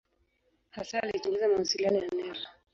Hasa alichunguza mawasiliano ya neva.